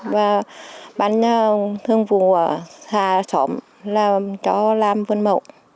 và bán thương vụ xà xóm là cho làm vân mẫu